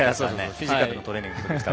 フィジカルなトレーニングでした。